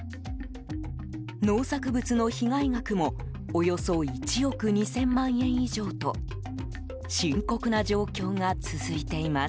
農作物の被害額もおよそ１億２０００万円以上と深刻な状況が続いています。